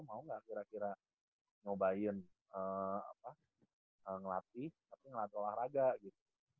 mau gak kira kira ngobain ngelatih ngelatih olahraga gitu